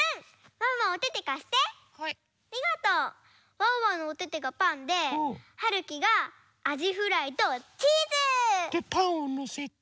ワンワンのおててがパンではるきがあじフライとチーズ！でパンをのせて。